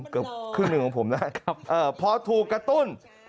เกือบครึ่งหนึ่งของผมได้ครับพอถูกกระตุ้น